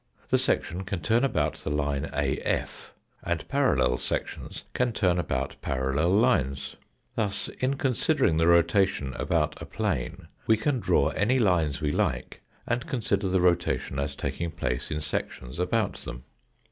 The section can turn about, the line AF, and parallel sections can turn about parallel lines. Thus in con sidering the rotation about a plane we can draw any lines we like and consider the rotation as taking place in sections about them.